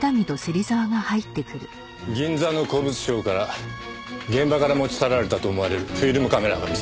銀座の古物商から現場から持ち去られたと思われるフィルムカメラが見つかった。